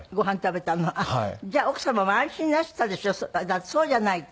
だってそうじゃないと。